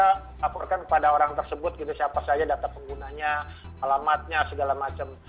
kita laporkan kepada orang tersebut gitu siapa saja data penggunanya alamatnya segala macam